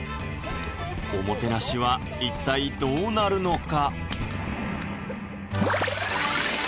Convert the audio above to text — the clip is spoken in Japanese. おもてなしは一体どうなるのか？